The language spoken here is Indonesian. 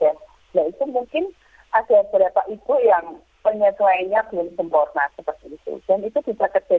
dan itu bisa terjadi hingga mungkin sepuluh delapan puluh ibu ya bisa terjadi seperti itu